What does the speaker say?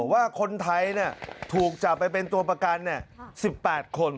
ว่าคนไทยถูกจับไปเป็นตัวประกัน๑๘คน